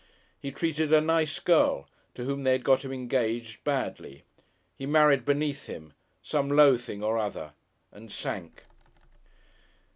He treated a "nice girl," to whom they had got him engaged, badly; he married beneath him some low thing or other. And sank....